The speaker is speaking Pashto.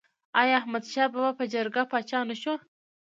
آیا احمد شاه بابا په جرګه پاچا نه شو؟